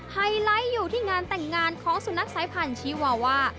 ไฮไลท์อยู่ที่งานแต่งงานของสุนัขสายพันธีวาว่า